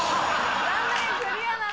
残念クリアならずです。